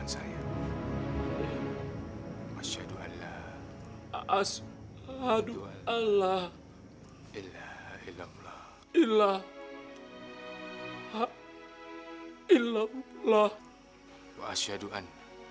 terima kasih sunan